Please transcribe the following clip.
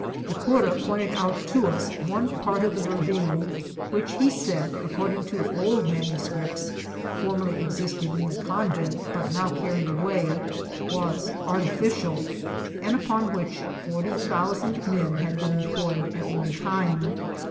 The cura pointed out to us one part of the ravine which, he said, accord ing to old manuscripts formerly existing in the convent, but now carried away, was artificial, and upon which forty thousand men had been employed at one time.